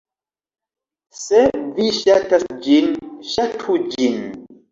Se vi ŝatas ĝin, ŝatu ĝin.